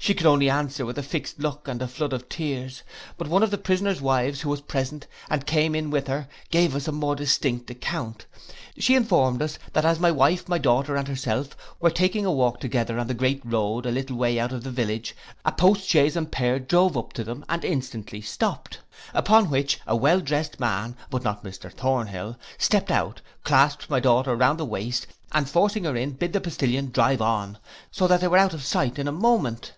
She could only answer with a fixed look and a flood of tears. But one of the prisoners' wives, who was present, and came in with her, gave us a more distinct account: she informed us that as my wife, my daughter, and herself, were taking a walk together on the great road a little way out of the village, a post chaise and pair drove up to them and instantly stopt. Upon which, a well drest man, but not Mr Thornhill, stepping out, clasped my daughter round the waist, and forcing her in, bid the postillion drive on, so that they were out of sight in a moment.